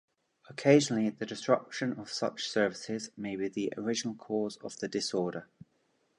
Occasionally, the disruption of such services may be the original cause of the disorder.